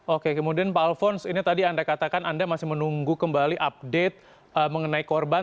oke kemudian pak alphonse ini tadi anda katakan anda masih menunggu kembali update mengenai korban